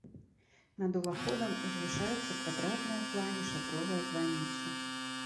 Над уваходам узвышаецца квадратная ў плане шатровая званіца.